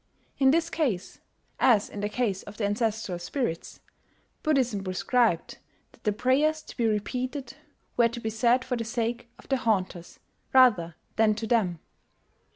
In this case, as in the case of the ancestral spirits, Buddhism prescribed that the prayers to be repeated were to be said for the sake of the haunters, rather than to them....